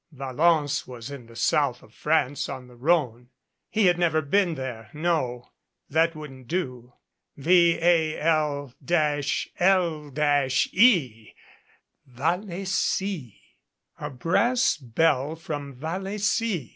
Valence was in the South of France on the Rhone. He had never been there. No. That wouldn't do. VAL L E Vallecy ! A brass bell from Vallecy!